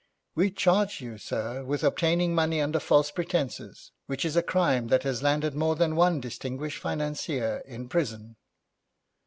'We charge you, sir, with obtaining money under false pretences, which is a crime that has landed more than one distinguished financier in prison.'